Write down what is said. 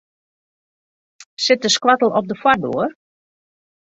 Sit de skoattel op de foardoar?